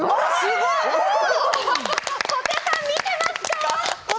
小手さん、見てますか？